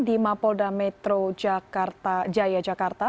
di mapolda metro jaya jakarta